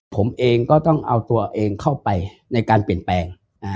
ผมเองก็ต้องเอาตัวเองเข้าไปในการเปลี่ยนแปลง